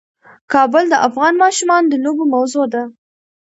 کابل د افغان ماشومانو د لوبو موضوع ده.